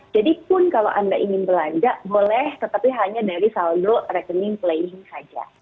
jadi pun kalau anda ingin belanja boleh tetapi hanya dari saldo rekening playing saja